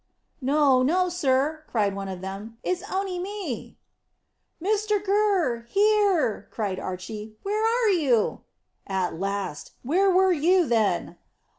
"No, no, sir," cried one of them; "it's on'y me." "Mr Gurr! Here!" cried Archy. "Where are you?" "At last. Where were you, then?"